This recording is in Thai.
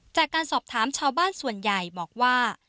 จากการสอบถามชาวบ้านส่วนใหญ่บอกว่า